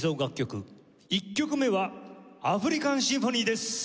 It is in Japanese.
１曲目は『アフリカン・シンフォニー』です。